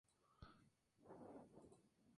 Por lo tanto, su portada puede variar.